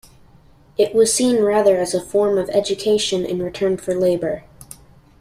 It was seen rather as a form of education in return for labour.